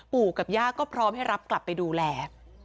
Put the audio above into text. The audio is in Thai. ปู่กับย่าก็พร้อมให้รับกลับไปดูแล